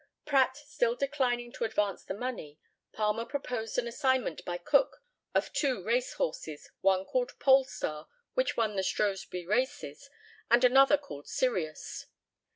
Pratt still declining to advance the money, Palmer proposed an assignment by Cook of two racehorses, one called Polestar, which won the Shrewsbury races, and another called Sirius.